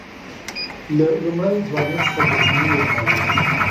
له لومړۍ ځوانۍ څخه دښمني وپالل.